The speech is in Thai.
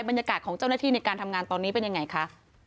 บรรยากาศของเจ้าหน้าที่ในการทำงานตอนนี้เป็นยังไงคะ